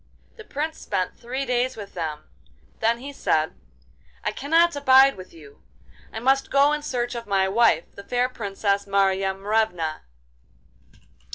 The Prince spent three days with them; then he said: 'I cannot abide with you; I must go in search of my wife, the fair Princess Marya Morevna.